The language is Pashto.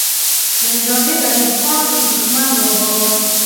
د مجاهد ایوب خان دښمن وباله.